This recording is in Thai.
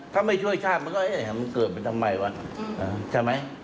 ถ้าไม่ช่วยชาติมันก็เอ๊ะมันเกิดไปทำไมวะใช่ไหม